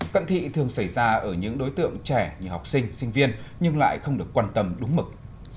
cận thị thường xảy ra ở những đối tượng trẻ như học sinh sinh viên nhưng lại không được quan tâm đúng mực